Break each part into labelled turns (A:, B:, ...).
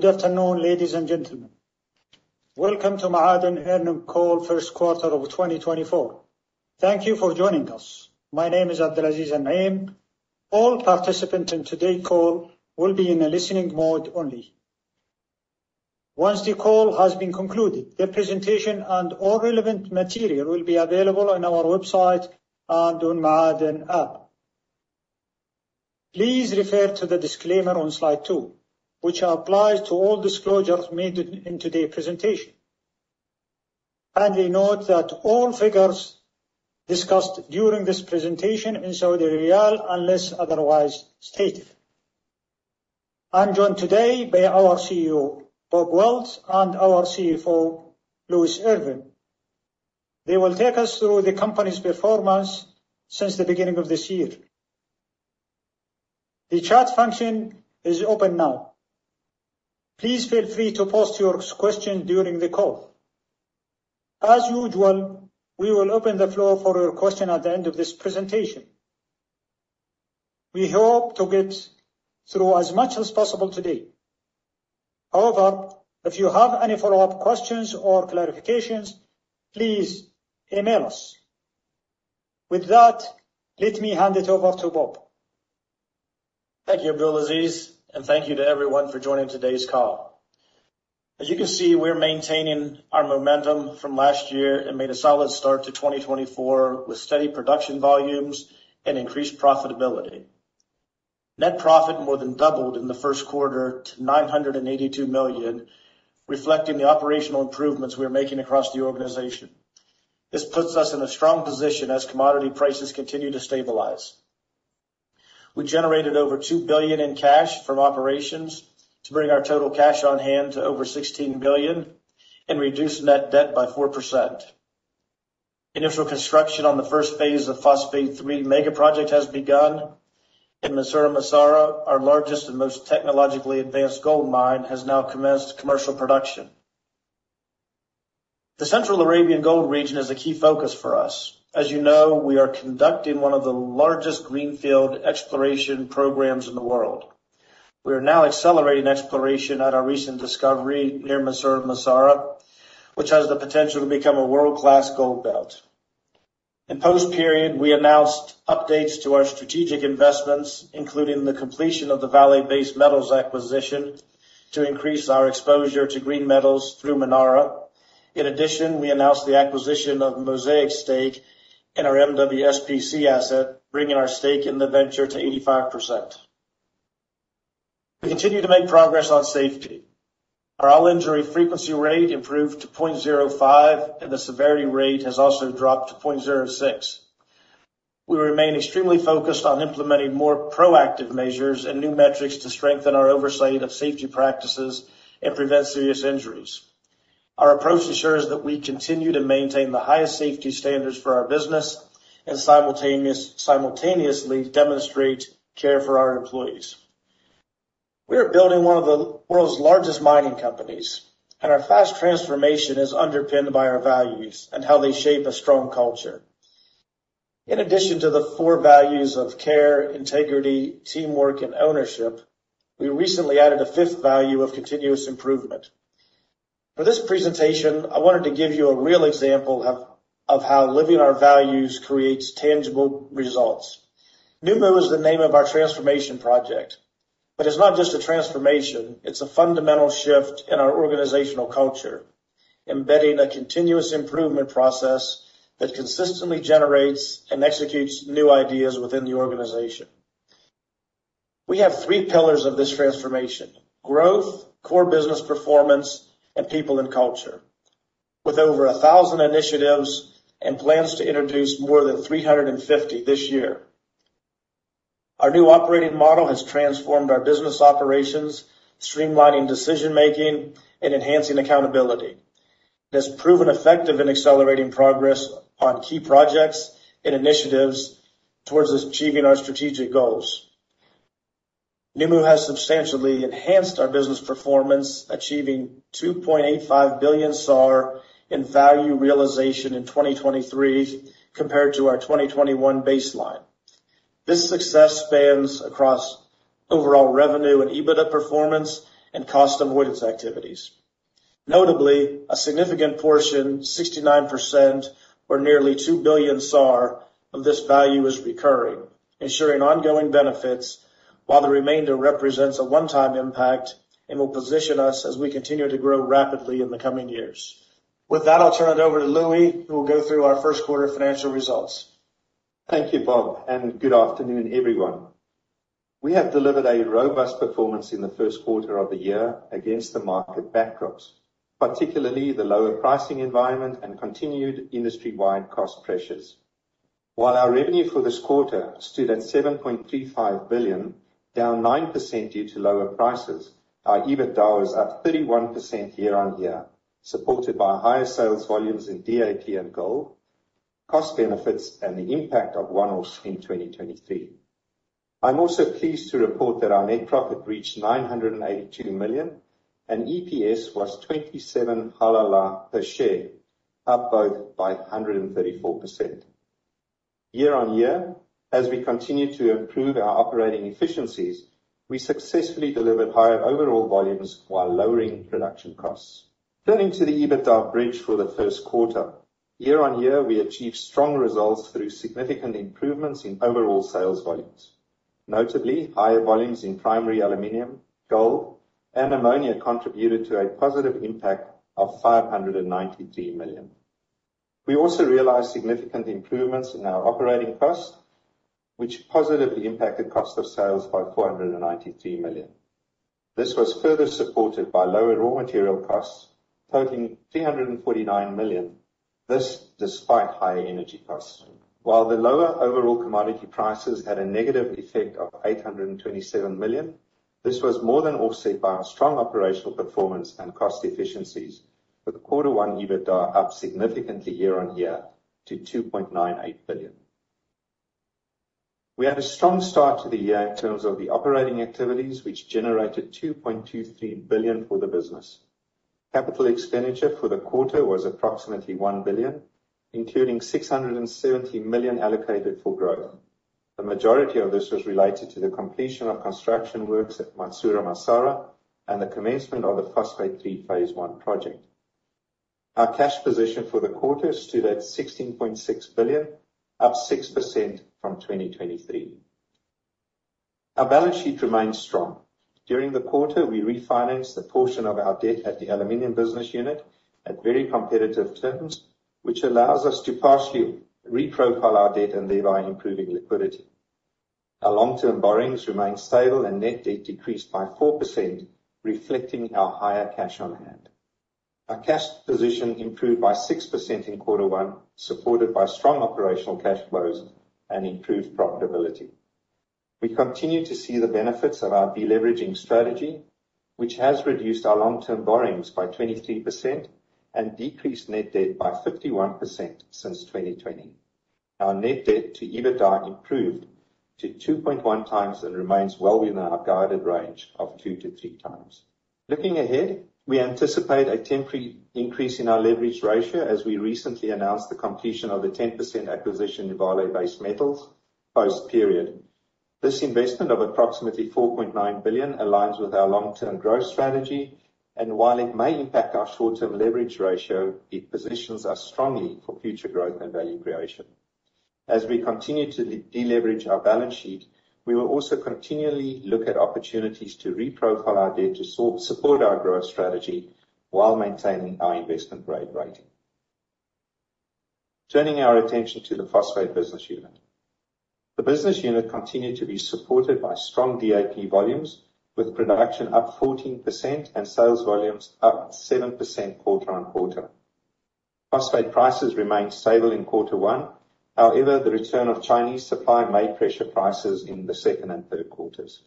A: Good afternoon, ladies and gentlemen. Welcome to Ma'aden Earnings Call first quarter of 2024. Thank you for joining us. My name is Abdulaziz Al-Harbi. All participants in today's call will be in a listening mode only. Once the call has been concluded, the presentation and all relevant material will be available on our website and on Ma'aden app. Please refer to the disclaimer on slide two, which applies to all disclosures made during today's presentation. Kindly note that all figures discussed during this presentation are in SAR, unless otherwise stated. I'm joined today by our CEO, Bob Wilt, and our CFO, Louis Irvine. They will take us through the company's performance since the beginning of this year. The chat function is open now. Please feel free to post your questions during the call. As usual, we will open the floor for your question at the end of this presentation. We hope to get through as much as possible today. However, if you have any follow-up questions or clarifications, please email us. With that, let me hand it over to Bob.
B: Thank you, Abdulaziz, and thank you to everyone for joining today's call. As you can see, we're maintaining our momentum from last year and made a solid start to 2024 with steady production volumes and increased profitability. Net profit more than doubled in the first quarter to 982 million, reflecting the operational improvements we are making across the organization. This puts us in a strong position as commodity prices continue to stabilize. We generated over 2 billion in cash from operations to bring our total cash on hand to over 16 billion and reduce net debt by 4%. Initial construction on the first phase of Phosphate III Mega project has begun. In Mansourah Massarah, our largest and most technologically advanced gold mine has now commenced commercial production. The Central Arabian gold region is a key focus for us. As you know, we are conducting one of the largest greenfield exploration programs in the world. We are now accelerating exploration at our recent discovery near Mansourah Massarah, which has the potential to become a world-class gold belt. In post-period, we announced updates to our strategic investments, including the completion of the Vale Base Metals acquisition to increase our exposure to green metals through Manara. In addition, we announced the acquisition of Mosaic stake in our MWSPC asset, bringing our stake in the venture to 85%. We continue to make progress on safety. Our all-injury frequency rate improved to 0.05, and the severity rate has also dropped to 0.06. We remain extremely focused on implementing more proactive measures and new metrics to strengthen our oversight of safety practices and prevent serious injuries. Our approach ensures that we continue to maintain the highest safety standards for our business and simultaneously demonstrate care for our employees. We are building one of the world's largest mining companies, and our fast transformation is underpinned by our values and how they shape a strong culture. In addition to the four values of care, integrity, teamwork, and ownership, we recently added a fifth value of continuous improvement. For this presentation, I wanted to give you a real example of how living our values creates tangible results. Numu is the name of our transformation project, but it's not just a transformation, it's a fundamental shift in our organizational culture, embedding a continuous improvement process that consistently generates and executes new ideas within the organization. We have three pillars of this transformation, growth, core business performance, and people and culture. With over 1,000 initiatives and plans to introduce more than 350 this year. Our new operating model has transformed our business operations, streamlining decision-making and enhancing accountability. It has proven effective in accelerating progress on key projects and initiatives towards achieving our strategic goals. Numu has substantially enhanced our business performance, achieving 2.85 billion SAR in value realization in 2023 compared to our 2021 baseline. This success spans across overall revenue and EBITDA performance and cost avoidance activities. Notably, a significant portion, 69% or nearly SAR 2 billion of this value is recurring, ensuring ongoing benefits, while the remainder represents a one-time impact and will position us as we continue to grow rapidly in the coming years. With that, I'll turn it over to Louis, who will go through our first quarter financial results.
C: Thank you, Bob, and good afternoon, everyone. We have delivered a robust performance in the first quarter of the year against the market backdrops, particularly the lower pricing environment and continued industry-wide cost pressures. While our revenue for this quarter stood at 7.35 billion, down 9% due to lower prices, our EBITDA was up 31% year-on-year, supported by higher sales volumes in DAP and gold, cost benefits, and the impact of one off in 2023. I'm also pleased to report that our net profit reached 982 million, and EPS was 27 halala per share, up both by 134%. Year-on-year, as we continue to improve our operating efficiencies, we successfully delivered higher overall volumes while lowering production costs. Turning to the EBITDA bridge for the first quarter. Year-on-year, we achieved strong results through significant improvements in overall sales volumes. Notably, higher volumes in primary aluminum, gold, and ammonia contributed to a positive impact of 593 million. We also realized significant improvements in our operating costs, which positively impacted cost of sales by 493 million. This was further supported by lower raw material costs totaling 349 million. This despite higher energy costs. While the lower overall commodity prices had a negative effect of 827 million, this was more than offset by our strong operational performance and cost efficiencies, with quarter one EBITDA up significantly year-on-year to 2.98 billion. We had a strong start to the year in terms of the operating activities, which generated 2.23 billion for the business. Capital expenditure for the quarter was approximately 1 billion, including 670 million allocated for growth. The majority of this was related to the completion of construction works at Mansourah Massarah and the commencement of the Phosphate three phase I project. Our cash position for the quarter stood at 16.6 billion, up 6% from 2023. Our balance sheet remains strong. During the quarter, we refinanced a portion of our debt at the aluminum business unit at very competitive terms, which allows us to partially reprofile our debt and thereby improving liquidity. Our long-term borrowings remain stable and net debt decreased by 4%, reflecting our higher cash on hand. Our cash position improved by 6% in quarter one, supported by strong operational cash flows and improved profitability. We continue to see the benefits of our deleveraging strategy, which has reduced our long-term borrowings by 23% and decreased net debt by 51% since 2020. Our net debt to EBITDA improved to 2.1x and remains well within our guided range of 2x-3x. Looking ahead, we anticipate a temporary increase in our leverage ratio as we recently announced the completion of the 10% acquisition in Vale Base Metals post-period. This investment of approximately 4.9 billion aligns with our long-term growth strategy. While it may impact our short-term leverage ratio, it positions us strongly for future growth and value creation. As we continue to deleverage our balance sheet, we will also continually look at opportunities to reprofile our debt to support our growth strategy while maintaining our investment-grade rating. Turning our attention to the phosphate business unit. The business unit continued to be supported by strong DAP volumes, with production up 14% and sales volumes up 7% quarter-over-quarter. Phosphate prices remained stable in quarter one. However, the return of Chinese supply may pressure prices in the second and third quarters.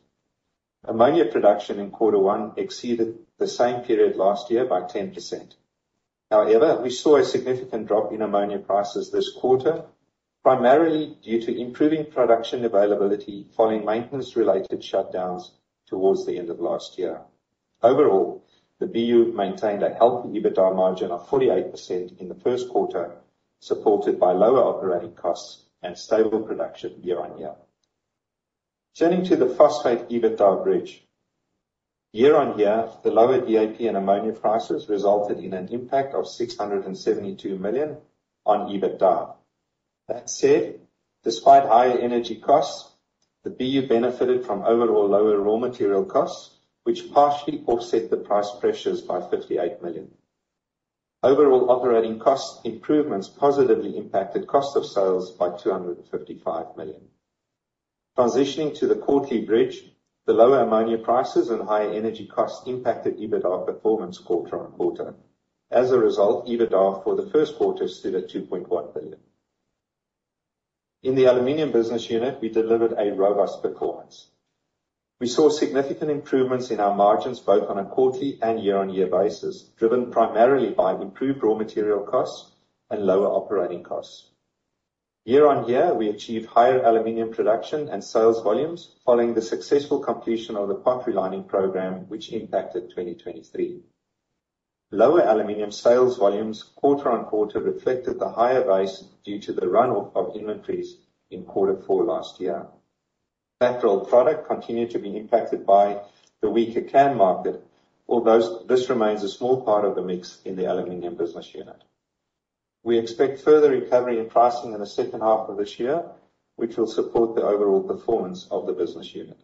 C: Ammonia production in quarter one exceeded the same period last year by 10%. However, we saw a significant drop in ammonia prices this quarter, primarily due to improving production availability following maintenance-related shutdowns towards the end of last year. Overall, the BU maintained a healthy EBITDA margin of 48% in the first quarter, supported by lower operating costs and stable production year-over-year. Turning to the phosphate EBITDA bridge. Year-over-year, the lower DAP and ammonia prices resulted in an impact of 672 million on EBITDA. That said, despite higher energy costs, the BU benefited from overall lower raw material costs, which partially offset the price pressures by 58 million. Overall operating cost improvements positively impacted cost of sales by 255 million. Transitioning to the quarterly bridge, the lower ammonia prices and higher energy costs impacted EBITDA performance quarter-over-quarter. As a result, EBITDA for the first quarter stood at 2.1 billion. In the aluminum business unit, we delivered a robust performance. We saw significant improvements in our margins, both on a quarterly and year-on-year basis, driven primarily by improved raw material costs and lower operating costs. Year-over-year, we achieved higher aluminum production and sales volumes following the successful completion of the pot relining program, which impacted 2023. Lower aluminum sales volumes quarter-on-quarter reflected the higher base due to the runoff of inventories in quarter four last year. Flat-rolled product continued to be impacted by the weaker can market, although this remains a small part of the mix in the aluminum business unit. We expect further recovery in pricing in the second half of this year, which will support the overall performance of the business unit.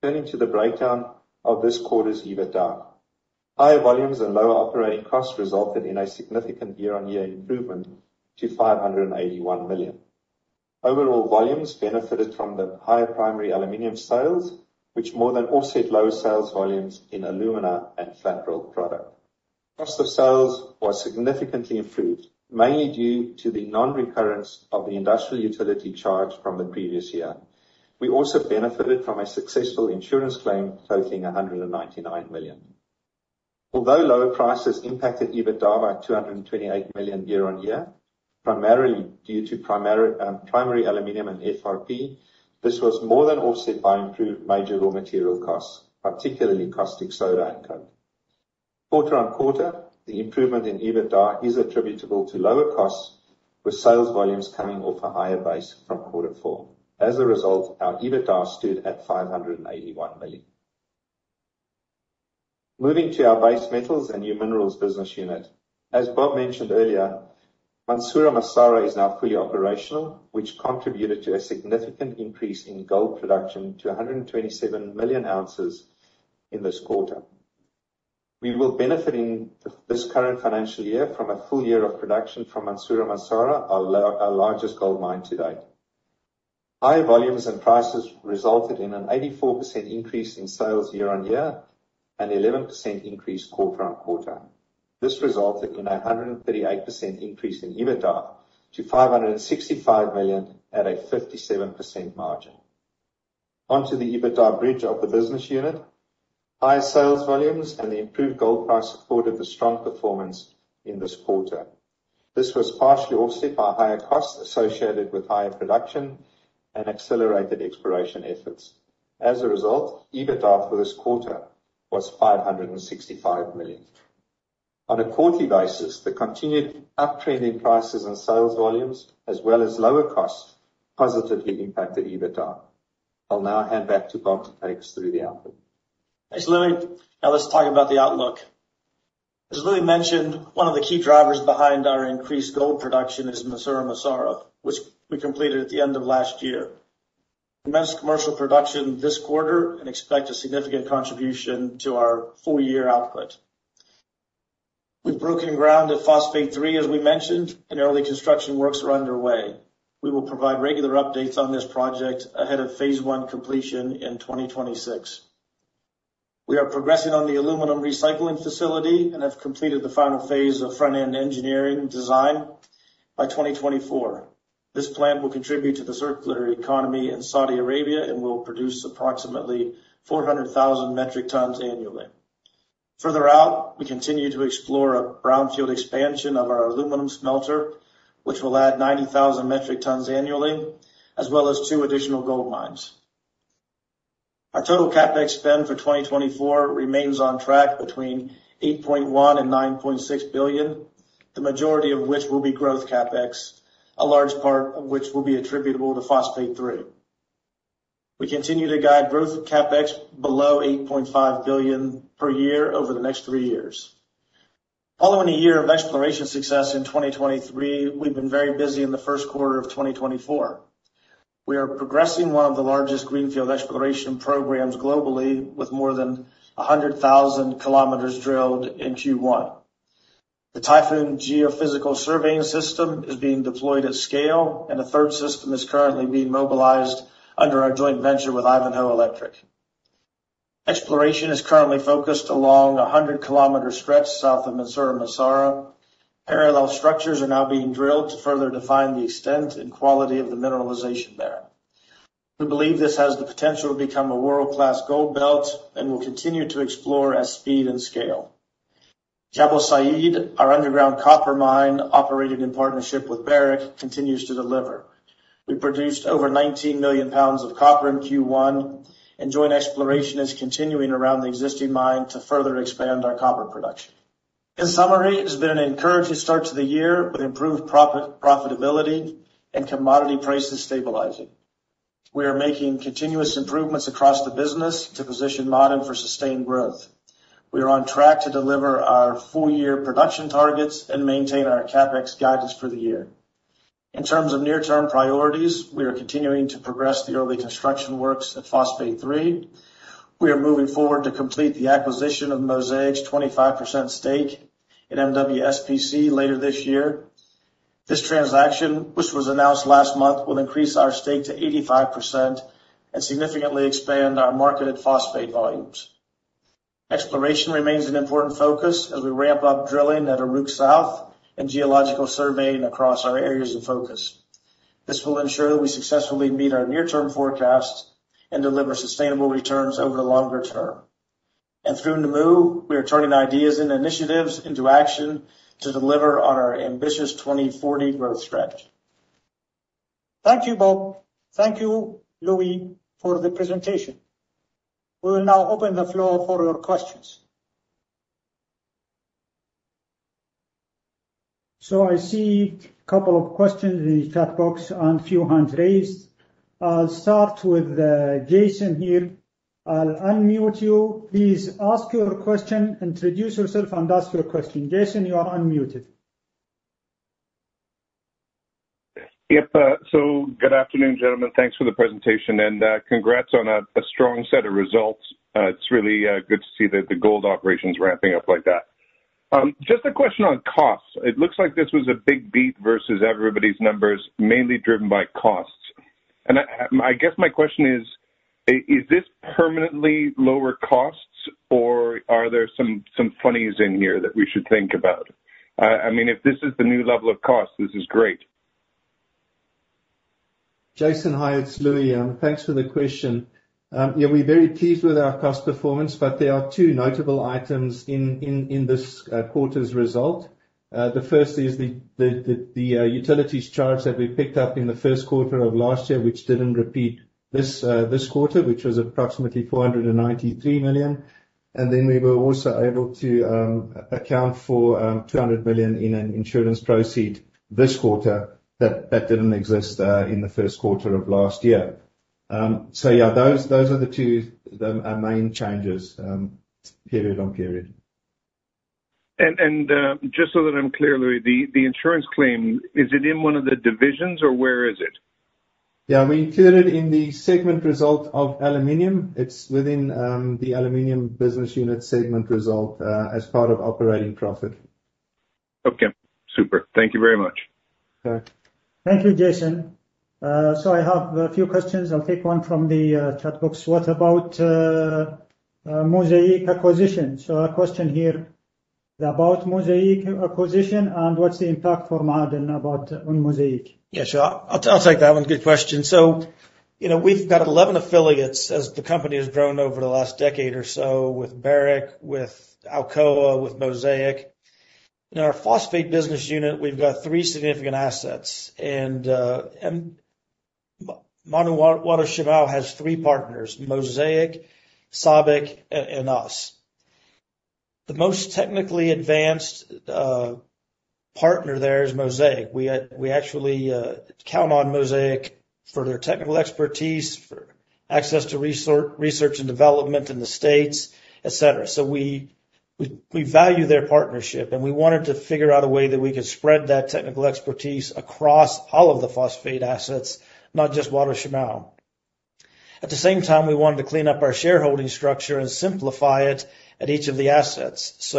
C: Turning to the breakdown of this quarter's EBITDA. Higher volumes and lower operating costs resulted in a significant year-on-year improvement to 581 million. Overall volumes benefited from the higher primary aluminum sales, which more than offset lower sales volumes in alumina and flat-rolled product. Cost of sales was significantly improved, mainly due to the non-recurrence of the industrial utility charge from the previous year. We also benefited from a successful insurance claim totaling 199 million. Although lower prices impacted EBITDA by 228 million year-on-year, primarily due to primary aluminum and FRP, this was more than offset by improved major raw material costs, particularly caustic soda and coke. Quarter-on-quarter, the improvement in EBITDA is attributable to lower costs, with sales volumes coming off a higher base from quarter four. As a result, our EBITDA stood at 581 million. Moving to our base metals and new minerals business unit. As Bob mentioned earlier, Mansourah Massarah is now fully operational, which contributed to a significant increase in gold production to 127 million ounces in this quarter. We will benefit in this current financial year from a full year of production from Mansourah Massarah, our largest gold mine to date. Higher volumes and prices resulted in an 84% increase in sales year-on-year and 11% increase quarter-on-quarter. This resulted in a 138% increase in EBITDA to 565 million at a 57% margin. Onto the EBITDA bridge of the business unit. Higher sales volumes and the improved gold price supported the strong performance in this quarter. This was partially offset by higher costs associated with higher production and accelerated exploration efforts. As a result, EBITDA for this quarter was 565 million. On a quarterly basis, the continued uptrend in prices and sales volumes, as well as lower costs, positively impacted EBITDA. I'll now hand back to Bob to take us through the outlook.
B: Thanks, Louis. Now let's talk about the outlook. As Louis mentioned, one of the key drivers behind our increased gold production is Mansourah Massarah, which we completed at the end of last year, commenced commercial production this quarter, and expect a significant contribution to our full year output. We've broken ground at Phosphate three, as we mentioned, and early construction works are underway. We will provide regular updates on this project ahead of phase I completion in 2026. We are progressing on the aluminum recycling facility and have completed the final phase of front-end engineering design by 2024. This plant will contribute to the circular economy in Saudi Arabia and will produce approximately 400,000 metric tons annually. Further out, we continue to explore a brownfield expansion of our aluminum smelter, which will add 90,000 metric tons annually, as well as two additional gold mines. Our total CapEx spend for 2024 remains on track between 8.1 billion and 9.6 billion, the majority of which will be growth CapEx, a large part of which will be attributable to Phosphate 3. We continue to guide growth CapEx below 8.5 billion per year over the next three years. Following a year of exploration success in 2023, we've been very busy in the first quarter of 2024. We are progressing one of the largest greenfield exploration programs globally with more than 100,000 kilometers drilled in Q1. The Typhoon geophysical surveying system is being deployed at scale, and a third system is currently being mobilized under our joint venture with Ivanhoe Electric. Exploration is currently focused along a 100-kilometer stretch south of Mansourah Massarah. Parallel structures are now being drilled to further define the extent and quality of the mineralization there. We believe this has the potential to become a world-class gold belt and will continue to explore at speed and scale. Jabal Sayid, our underground copper mine, operated in partnership with Barrick, continues to deliver. We produced over 19 million pounds of copper in Q1, and joint exploration is continuing around the existing mine to further expand our copper production. In summary, it has been an encouraging start to the year with improved profitability and commodity prices stabilizing. We are making continuous improvements across the business to position Ma'aden for sustained growth. We are on track to deliver our full-year production targets and maintain our CapEx guidance for the year. In terms of near-term priorities, we are continuing to progress the early construction works at Phosphate three. We are moving forward to complete the acquisition of Mosaic's 25% stake in MWSPC later this year. This transaction, which was announced last month, will increase our stake to 85% and significantly expand our marketed phosphate volumes. Exploration remains an important focus as we ramp up drilling at Uruq South and geological surveying across our areas of focus. This will ensure that we successfully meet our near-term forecast and deliver sustainable returns over the longer term. Through Numu, we are turning ideas and initiatives into action to deliver on our ambitious 2040 growth strategy.
A: Thank you, Bob. Thank you, Louis, for the presentation. We will now open the floor for your questions. I see a couple of questions in the chat box and a few hands raised. I'll start with Jason here. I'll unmute you. Please ask your question. Introduce yourself and ask your question. Jason, you are unmuted.
D: Yep. Good afternoon, gentlemen. Thanks for the presentation, and congrats on a strong set of results. It's really good to see the gold operations ramping up like that. Just a question on costs. It looks like this was a big beat versus everybody's numbers, mainly driven by costs. I guess my question is this permanently lower costs, or are there some funnies in here that we should think about? I mean, if this is the new level of cost, this is great.
C: Jason, hi, it's Louis. Thanks for the question. Yeah, we're very pleased with our cost performance, but there are two notable items in this quarter's result. The first is the utilities charge that we picked up in the first quarter of last year, which didn't repeat this quarter, which was approximately 493 million. Then we were also able to account for 200 million in an insurance proceeds this quarter that didn't exist in the first quarter of last year. Yeah, those are the two our main changes, period on period.
D: Just so that I'm clear, Louis, the insurance claim, is it in one of the divisions or where is it?
C: Yeah, we include it in the segment result of aluminum. It's within the aluminum business unit segment result, as part of operating profit.
D: Okay, super. Thank you very much.
C: Okay.
A: Thank you, Jason. I have a few questions. I'll take one from the chat box. What about Mosaic acquisition? A question here about Mosaic acquisition and what's the impact for Ma'aden about on Mosaic?
B: Yeah, sure. I'll take that one. Good question. You know, we've got 11 affiliates as the company has grown over the last decade or so with Barrick, with Alcoa, with Mosaic. In our phosphate business unit we've got three significant assets. Ma'aden Wa'ad Al Shamal has three partners, Mosaic, SABIC, and us. The most technically advanced partner there is Mosaic. We actually count on Mosaic for their technical expertise, for access to research and development in the States, et cetera. We value their partnership, and we wanted to figure out a way that we could spread that technical expertise across all of the phosphate assets, not just Wa'ad Al Shamal. At the same time, we wanted to clean up our shareholding structure and simplify it at each of the assets.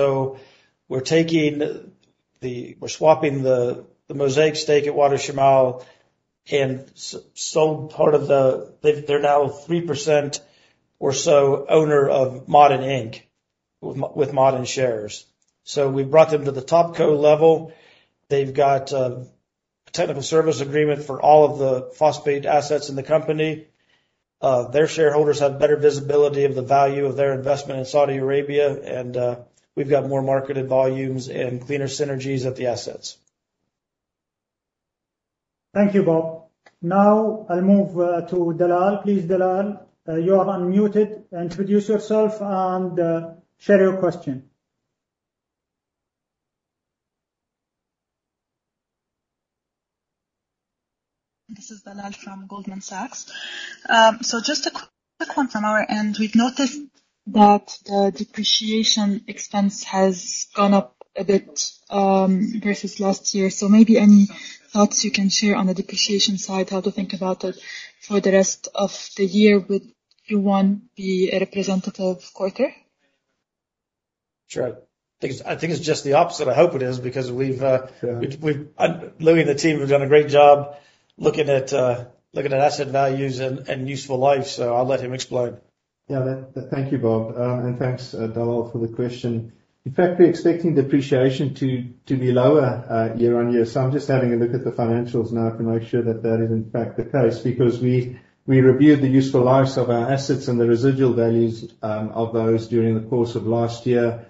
B: We're taking the. We're swapping the Mosaic stake at Wa'ad Al Shamal. They're now 3% or so owner of Ma'aden with Ma'aden shares. We brought them to the top company level. They've got technical service agreement for all of the phosphate assets in the company. Their shareholders have better visibility of the value of their investment in Saudi Arabia, and we've got more marketed volumes and cleaner synergies at the assets.
A: Thank you, Bob. Now I'll move to Dalal. Please, Dalal, you are unmuted. Introduce yourself and share your question.
E: This is Dalal from Goldman Sachs. Just a quick one from our end. We've noticed that the depreciation expense has gone up a bit, versus last year. Maybe any thoughts you can share on the depreciation side, how to think about it for the rest of the year? Would Q1 be a representative quarter?
B: Sure. I think it's just the opposite. I hope it is because we've
C: Yeah.
B: Louis and the team have done a great job looking at asset values and useful life, so I'll let him explain.
C: Yeah. Thank you, Bob. And thanks, Dalal for the question. In fact, we're expecting depreciation to be lower year-on-year. I'm just having a look at the financials now to make sure that is in fact the case. Because we reviewed the useful lives of our assets and the residual values of those during the course of last year,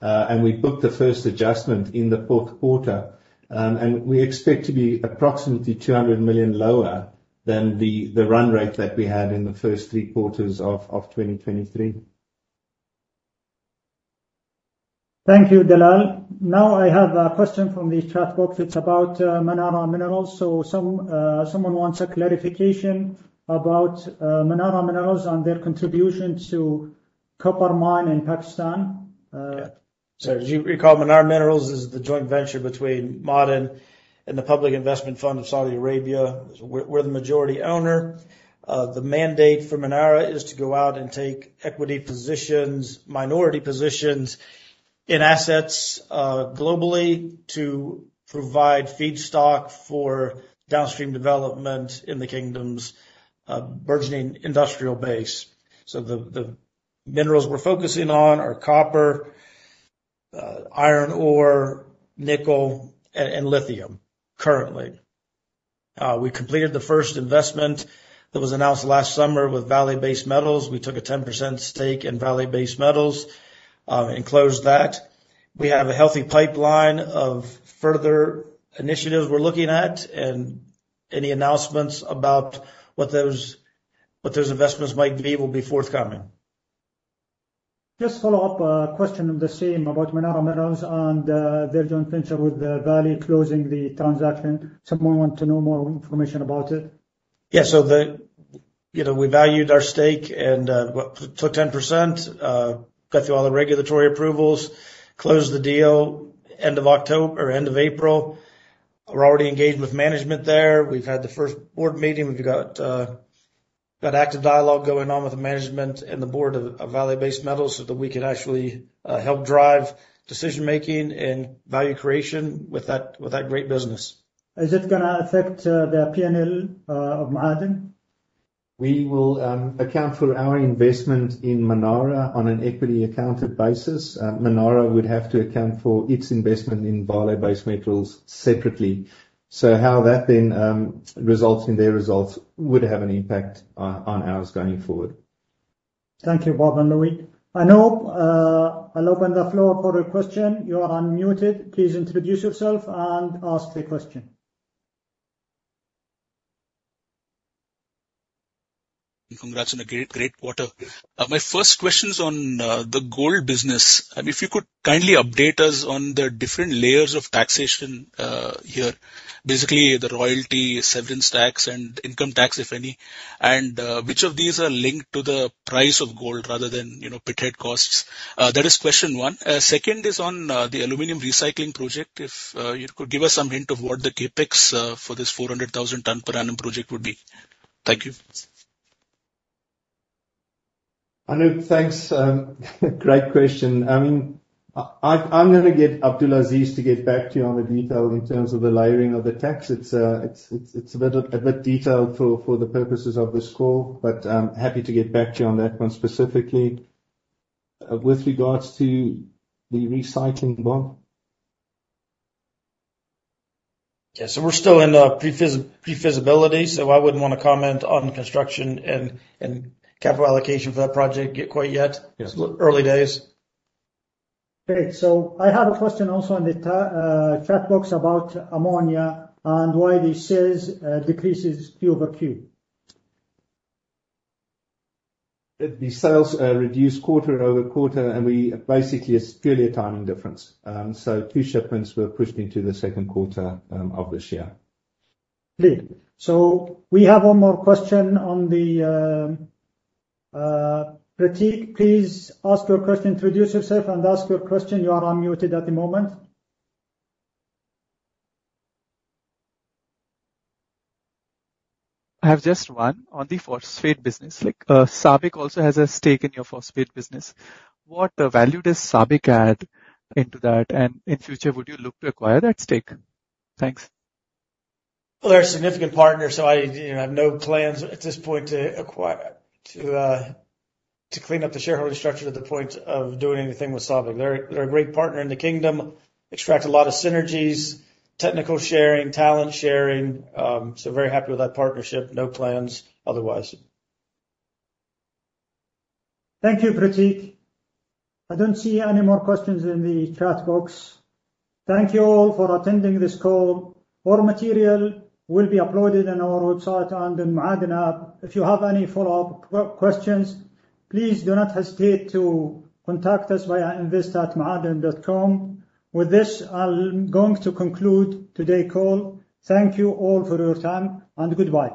C: and we booked the first adjustment in the fourth quarter. And we expect to be approximately 200 million lower than the run rate that we had in the first three quarters of 2023.
A: Thank you, Dalal. Now I have a question from the chat box. It's about Manara Minerals. Someone wants a clarification about Manara Minerals and their contribution to copper mine in Pakistan.
B: As you recall, Manara Minerals is the joint venture between Ma'aden and the Public Investment Fund of Saudi Arabia. We're the majority owner. The mandate for Manara Minerals is to go out and take equity positions, minority positions in assets globally to provide feedstock for downstream development in the kingdom's burgeoning industrial base. The minerals we're focusing on are copper, iron ore, nickel, and lithium currently. We completed the first investment that was announced last summer with Vale Base Metals. We took a 10% stake in Vale Base Metals and closed that. We have a healthy pipeline of further initiatives we're looking at, and any announcements about what those investments might be will be forthcoming.
A: Just follow up question on the same about Manara Minerals and their joint venture with Vale closing the transaction. Someone want to know more information about it.
B: Yeah. You know, we valued our stake and, well, took 10%, got through all the regulatory approvals, closed the deal end of April. We're already engaged with management there. We've had the first board meeting. We've got active dialogue going on with the management and the board of Vale Base Metals so that we can actually help drive decision-making and value creation with that, with that great business.
A: Is it gonna affect the P&L of Ma'aden?
C: We will account for our investment in Manara on an equity accounted basis. Manara would have to account for its investment in Vale Base Metals separately. How that then results in their results would have an impact on ours going forward.
A: Thank you, Bob and Louis. Anup, I'll open the floor for your question. You are unmuted. Please introduce yourself and ask the question.
F: Congrats on a great quarter. My first question's on the gold business. I mean, if you could kindly update us on the different layers of taxation here. Basically, the royalty, severance tax and income tax, if any, and which of these are linked to the price of gold rather than, you know, pithead costs. That is question one. Second is on the aluminum recycling project. If you could give us some hint of what the CapEx for this 400,000 ton per annum project would be. Thank you.
C: Anup, thanks. Great question. I mean, I'm gonna get Abdulaziz to get back to you on the detail in terms of the layering of the tax. It's a bit detailed for the purposes of this call, but I'm happy to get back to you on that one specifically. With regards to the recycling, Bob?
B: Yeah, we're still in the pre-feasibility, so I wouldn't wanna comment on construction and capital allocation for that project quite yet.
C: Yes.
B: It's early days.
A: Great. I have a question also on the chat box about ammonia and why the sales decreases quarter-over-quarter.
C: The sales reduced quarter-over-quarter, and we basically, it's purely a timing difference. Two shipments were pushed into the second quarter of this year.
A: Clear. We have one more question on the Prateek, please ask your question. Introduce yourself and ask your question. You are unmuted at the moment.
F: I have just one on the phosphate business. Like, SABIC also has a stake in your phosphate business. What value does SABIC add into that? In future, would you look to acquire that stake? Thanks.
B: Well, they're a significant partner, so I, you know, have no plans at this point to clean up the shareholder structure to the point of doing anything with SABIC. They're a great partner in the kingdom, extract a lot of synergies, technical sharing, talent sharing. Very happy with that partnership. No plans otherwise.
A: Thank you, Prateek. I don't see any more questions in the chat box. Thank you all for attending this call. All material will be uploaded on our website and in Ma'aden app. If you have any follow-up questions, please do not hesitate to contact us via invest@maaden.com. With this, I'm going to conclude today's call. Thank you all for your time, and goodbye.